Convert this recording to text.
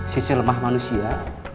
sisi lemah manusia